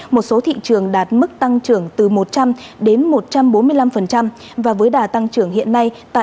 một số thị trường đạt mức tăng trưởng từ một trăm linh đến một trăm bốn mươi năm và với đà tăng trưởng hiện nay